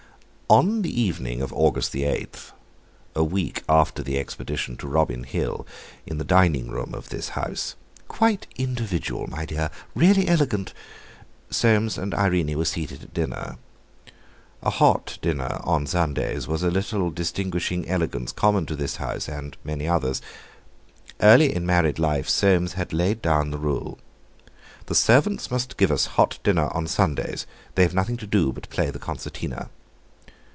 On the evening of August 8, a week after the expedition to Robin Hill, in the dining room of this house—"quite individual, my dear—really elegant"—Soames and Irene were seated at dinner. A hot dinner on Sundays was a little distinguishing elegance common to this house and many others. Early in married life Soames had laid down the rule: "The servants must give us hot dinner on Sundays—they've nothing to do but play the concertina."